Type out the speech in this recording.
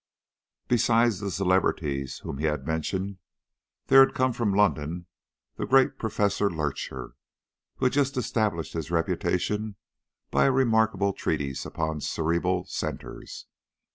Besides the celebrities whom he had mentioned, there had come from London the great Professor Lurcher, who had just established his reputation by a remarkable treatise upon cerebral centres.